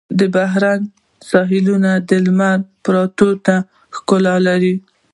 د بحرین ساحلونه د لمر پرېوتو ښکلا لري.